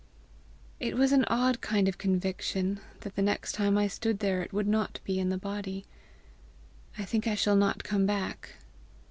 "It was an odd kind of conviction that the next time I stood there, it would not be in the body. I think I shall not come back."